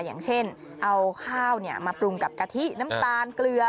อย่างเช่นเอาข้าวมาปรุงกับกะทิน้ำตาลเกลือ